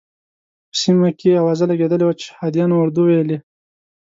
په سیمه کې اوازه لګېدلې وه چې شهادیانو اردو ویلې.